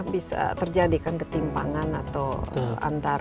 bisa terjadikan ketimpangan atau antara ya yang mas rakat asli di situ dan pendatang